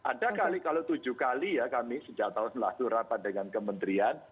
ada kali kalau tujuh kali ya kami sejak tahun lalu rapat dengan kementerian